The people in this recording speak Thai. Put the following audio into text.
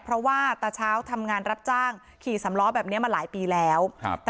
เพราะว่าตาเช้าทำงานรับจ้างขี่สำล้อแบบนี้มาหลายปีแล้วครับ